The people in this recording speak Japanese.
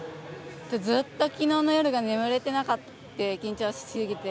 ずっと昨日の夜が眠れてなくて緊張しすぎて。